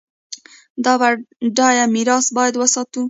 دا بډایه میراث باید وساتو.